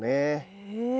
へえ。